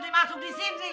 masuk di sini